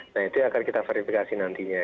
nah itu yang akan kita verifikasi nantinya